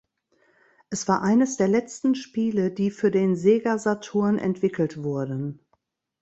Es war eines der letzten Spiele, die für den Sega Saturn entwickelt wurden.